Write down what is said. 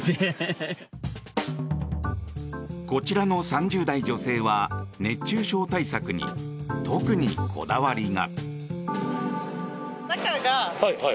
こちらの３０代女性は熱中症対策に、特にこだわりが。